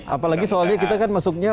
apalagi soalnya kita kan masuknya